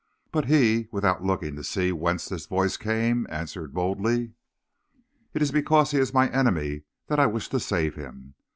But he, without looking to see whence this voice came, answered boldly: "'It is because he is my enemy that I wish to save him.